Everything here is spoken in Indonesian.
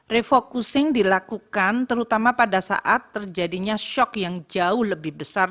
refocusing dilakukan terutama pada saat terjadinya shock yang jauh lebih besar